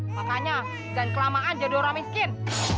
makanya dan kelamaan jadi orang miskin